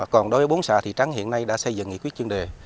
còn đối với bốn xã thị trắng hiện nay đã xây dựng nghị quyết chuyên đề